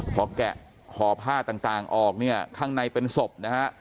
พอแกะห่อผ้าต่างออกเนี่ยข้างในเป็นศพนะฮะ